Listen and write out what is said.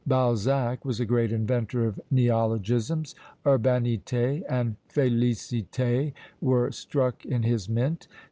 Balzac was a great inventor of neologisms. Urbanité and féliciter were struck in his mint.